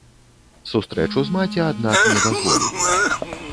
Сустрэчу з маці, аднак, не дазволілі.